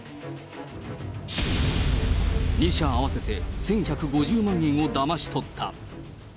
２社合わせて１１５０万円をだまし取った。